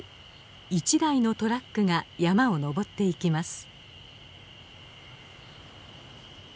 一台のトラックが山をのぼっていきます。